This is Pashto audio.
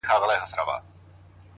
صفت زما مه كوه مړ به مي كړې،